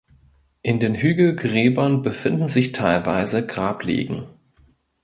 In den Hügelgräbern befinden sich teilweise Grablegen.